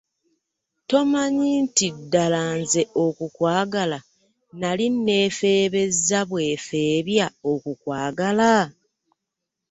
Tomanyi nti ddala nze okukwagala nnali nneefeebezza bwefeebya okukwagala?